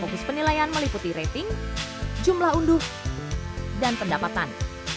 fokus penilaian meliputi rating jumlah unduh dan pendapatan